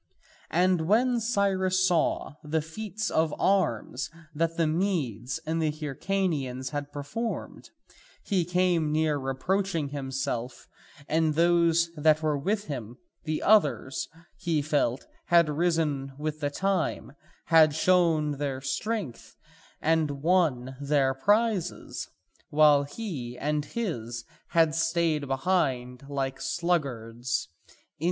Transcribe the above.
And when Cyrus saw the feats of arms that the Medes and the Hyrcanians had performed, he came near reproaching himself and those that were with him; the others, he felt, had risen with the time, had shown their strength and won their prizes, while he and his had stayed behind like sluggards.